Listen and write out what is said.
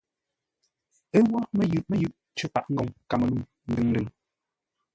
Ə́ wó mə́yʉʼ mə́yʉʼ cər paʼa ngoŋ Kamelûŋ, ndʉŋ-ndʉŋ.